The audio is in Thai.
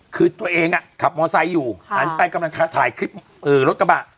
คือตัวเองอ่ะขับมอเตอร์ไซส์อยู่ค่ะหาไปกำลังถ่ายคลิปเออรถกระบะ